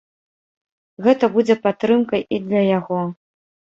Гэта будзе падтрымкай і для яго.